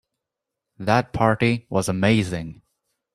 That party was amazing.